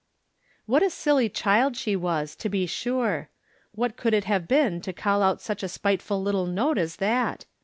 What a silly child she was, to be sure ! What could it have been to call out such a spiteful little note as that?